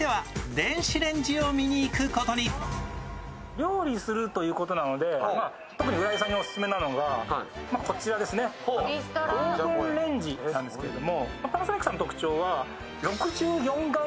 料理するということなので、特に浦井さんにオススメなのがこちらですね、オーブンレンジなんですけれども。